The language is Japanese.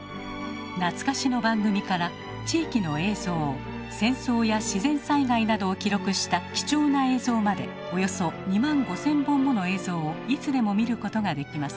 懐かしの番組から地域の映像戦争や自然災害などを記録した貴重な映像までおよそ２万５，０００本もの映像をいつでも見ることができます。